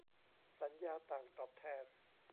สัญญาต่างตอบแทน